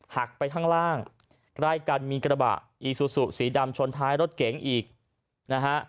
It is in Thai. หักไปข้างล่างใกล้กันมีกระบะอีซูซูสีดำชนท้ายรถเก๋งอีกนะฮะ